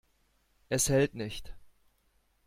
Es hält nicht.